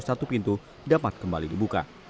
satu pintu dapat kembali dibuka